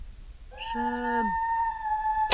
— Шы-ым!